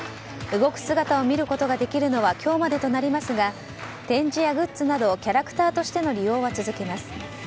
動く姿を見ることができるのは今日までとなりますが展示やグッズなどキャラクターとしての利用は続けます。